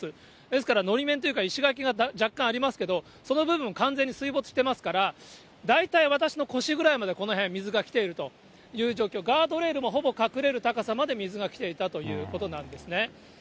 ですから、のり面というか、石垣が若干ありますけど、その部分、完全に水没してますから、大体、私の腰ぐらいまで、この辺、水が来ているという状況、ガードレールもほぼ隠れる高さまで水が来ていたということなんですね。